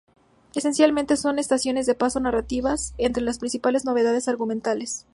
Esencialmente, son estaciones de paso narrativas entre las principales novedades argumentales.